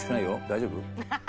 大丈夫？